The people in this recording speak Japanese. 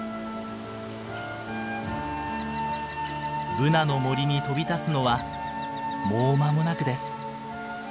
ブナの森に飛び立つのはもう間もなくです。